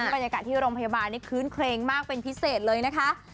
บรรยากาศที่โรงพยาบาลนี่คื้นเครงมากเป็นพิเศษเลยนะคะ